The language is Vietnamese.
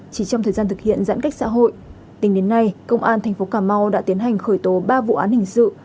chỉ trong thời gian thực hiện giãn cách xã hội tính đến nay công an tp cà mau đã tiến hành khởi tố ba vụ án hình sự